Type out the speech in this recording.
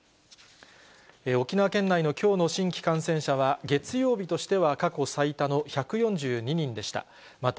沖縄県内のきょうの新規感染者は、月曜日としては過去最多の１４２人でした。